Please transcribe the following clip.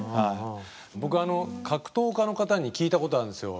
僕格闘家の方に聞いたことあるんですよ。